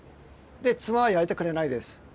妻は焼いてくれないです。